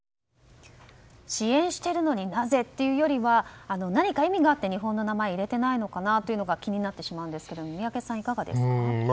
支援しているのになぜ？というよりは何か意味があって日本の名前を入れていないのかなと気になってしまうんですが宮家さん、いかがですか？